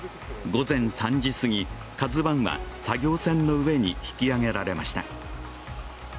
午前３時すぎ、「ＫＡＺＵⅠ」は作業船の上に引き揚げられました。